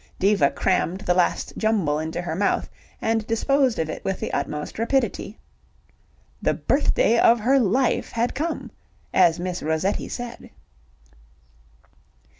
Diva crammed the last jumble into her mouth and disposed of it with the utmost rapidity. The birthday of her life had come, as Miss Rossetti said.